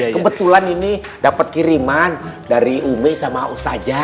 kebetulan ini dapat kiriman dari ube sama ustaz